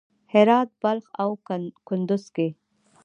هرات، بلخ او کندز کې